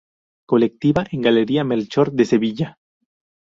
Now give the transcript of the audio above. Colectiva en Galería Melchor de Sevilla.